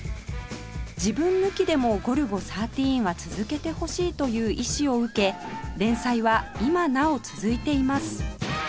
自分抜きでも『ゴルゴ１３』は続けてほしいという遺志を受け連載は今なお続いています